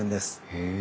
へえ。